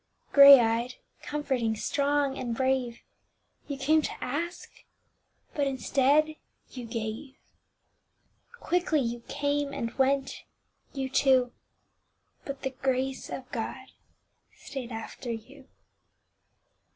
Grey eyed, comforting, strong and brave, You came to ask but instead you Quickly you came and went, you two, But the Grace of God stayed after you.